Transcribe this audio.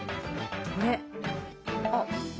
あれ？あっ。